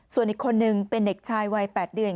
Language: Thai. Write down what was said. ส่วนอีกคนนึงเป็นเด็กชายวัย๘เดือน